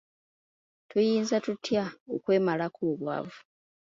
Tuyinza tutya okwemalako obwavu?